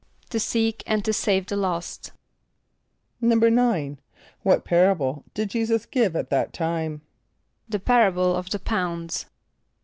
=To seek and to save the lost.= =9.= What parable did J[=e]´[s+]us give at that time? =The parable of the Pounds.